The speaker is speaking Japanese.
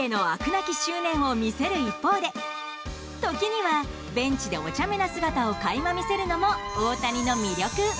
なき執念を見せる一方で時には、ベンチでおちゃめな姿を垣間見せるのも大谷の魅力。